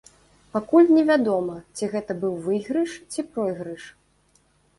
Пакуль невядома, ці гэта быў выйгрыш, ці пройгрыш.